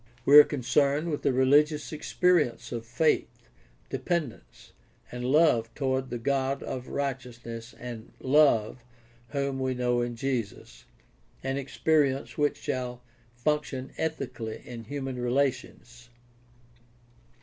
We are con cerned with a religious experience of faith, dependence, and love toward the God of righteousness and love, whom we know in Jesus — an experience which shall function ethically in human relations.